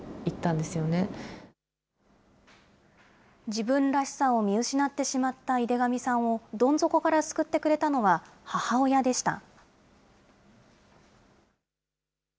自分らしさを見失ってしまった井手上さんを、どん底から救ってくれたのは、母親でした。